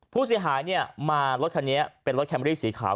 ผู้เสียหายมารถแคมเมอรี่สีขาว